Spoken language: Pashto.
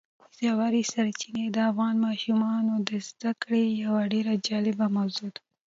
ژورې سرچینې د افغان ماشومانو د زده کړې یوه ډېره جالبه موضوع ده.